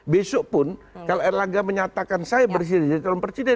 besok pun kalau erlangga menyatakan saya bersih jadi calon presiden